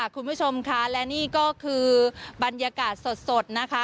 คุณผู้ชมค่ะและนี่ก็คือบรรยากาศสดนะคะ